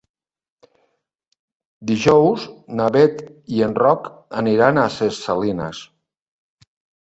Dijous na Bet i en Roc aniran a Ses Salines.